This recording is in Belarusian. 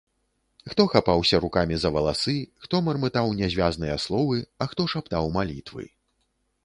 Хто хапаўся рукамі за валасы, хто мармытаў нязвязныя словы, а хто шаптаў малітвы.